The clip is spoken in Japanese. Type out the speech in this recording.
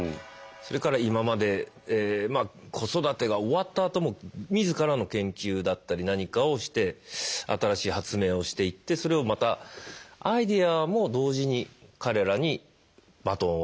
それから今まで子育てが終わったあとも自らの研究だったり何かをして新しい発明をしていってそれをまたアイデアも同時に彼らにバトンを渡していく。